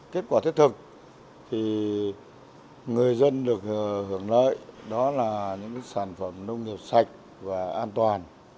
kết quả thiết thực thì người dân được hưởng lợi đó là những sản phẩm nông nghiệp sạch và an toàn